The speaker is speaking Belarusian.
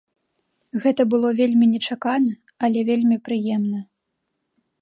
Гэта было вельмі нечакана, але вельмі прыемна.